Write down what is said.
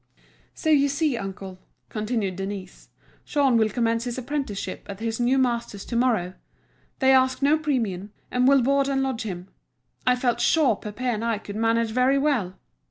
"So you see, uncle," continued Denise, "Jean will commence his apprenticeship at his new master's to morrow. They ask no premium, and will board and lodge him. I felt sure Pépé and I could manage very well.